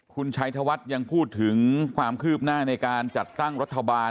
คุณชัยธวัฒน์ยังพูดถึงความคืบหน้าในการจัดตั้งรัฐบาล